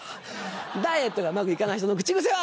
ダイエットがうまく行かない人の口癖は？